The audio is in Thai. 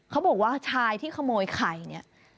เขาบอกว่าชายที่ขโมยไข่เนี่ย